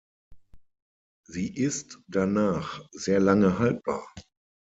Sie ist danach sehr lange haltbar.